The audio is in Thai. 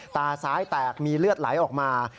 ตาซ้ายแตกมีเลือดไหลออกมา